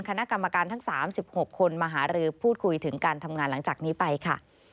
คณะกรรมการทั้ง๓๖คนมาหารือพูดคุยถึงการทำงานหลังจากนี้ไปค่ะ